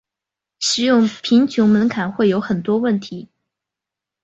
使用贫穷门槛会有很多问题。